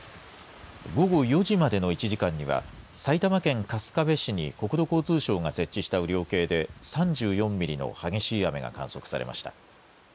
午後４時までの１時間には、埼玉県春日部市に国土交通省が設置した雨量計で３４ミリの激しい雨が観測されました。